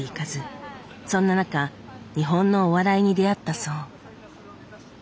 そんな中日本のお笑いに出会ったそう。